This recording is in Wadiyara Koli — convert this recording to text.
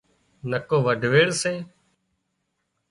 نڪو وڍويڙ سي